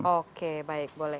oke baik boleh